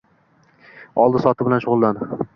Oldi-sotdi bilan shugʻullan